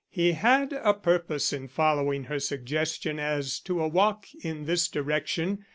He had a purpose in following her suggestion as to a walk in this direction.